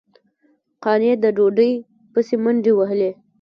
قانع د ډوډۍ پسې منډې وهلې.